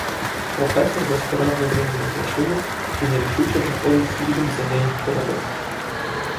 Професор безпорадно знизує плечима й нерішуче виходить слідом за нею в коридор.